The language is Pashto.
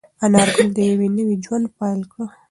انارګل یو نوی ژوند پیل کړ.